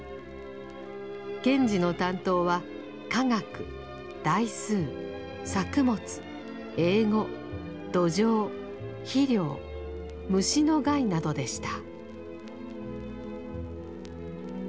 賢治の担当は化学代数作物英語土壌肥料虫の害などでした。